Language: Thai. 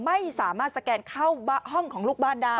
ไม่สามารถสแกนเข้าห้องของลูกบ้านได้